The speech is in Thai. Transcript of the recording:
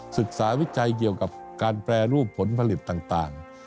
ศึกษาวิจัยเกี่ยวกับการแปรรูปผลผลิตต่าง